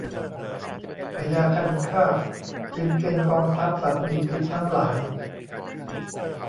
พญาคันคากจึงเกณฑ์กองทัพสัตว์มีพิษทั้งหลาย